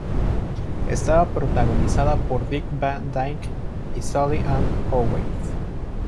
Estaba protagonizada por Dick Van Dyke y Sally Ann Howes.